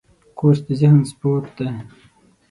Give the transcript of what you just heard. کورس د ذهن سپورټ دی.